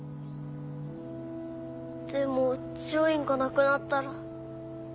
でも『ジョイン』がなくなったら。